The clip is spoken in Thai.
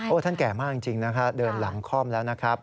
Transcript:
ท่านแก่มากจริงนะคะเดินหลังคล่อมแล้วนะครับ